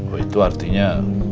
oh itu artinya